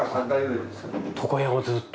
床屋をずっと。